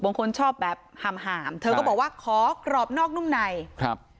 บางคนชอบแบบห่ามห่ามเธอก็บอกว่าขอกรอบนอกนุ่มในครับ